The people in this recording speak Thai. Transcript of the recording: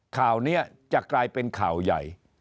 ข่าวนี้จะกลายเป็นข่าวใหญ่